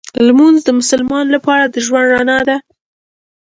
لمونځ د مسلمان لپاره د ژوند رڼا ده